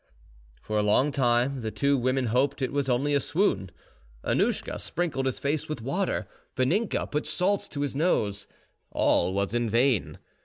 For a long time the two women hoped it was only a swoon. Annouschka sprinkled his face with water; Vaninka put salts to his nose. All was in vain.